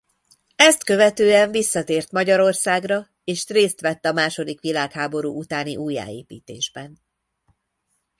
Ezt követően visszatért Magyarországra és részt vett a második világháború utáni újjáépítésben.